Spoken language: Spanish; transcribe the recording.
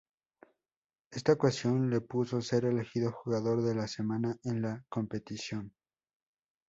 Esta actuación le supuso ser elegido "jugador de la semana" en la competición.